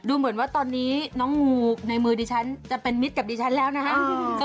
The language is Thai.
เหมือนว่าตอนนี้น้องงูในมือดิฉันจะเป็นมิตรกับดิฉันแล้วนะฮะ